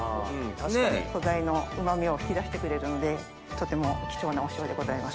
素材のうま味を引き出してくれるのでとても貴重なお塩でございます。